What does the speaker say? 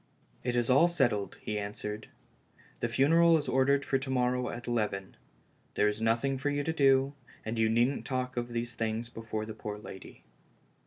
"It is all settled," he .answered ; "the funeral is or dered for to morrow' at eleven. There is nothing for you to do, and you needn't talk of these things before the poor lady."